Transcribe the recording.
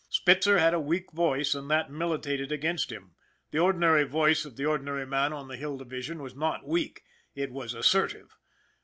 Spitzer had a weak voice and that militated against him. The ordinary voice of the ordinary man on the Hill Division was not weak it was assertive.